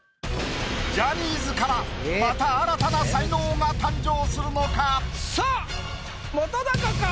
ジャニーズからまた新たな才能が誕生するのか⁉さあ本か？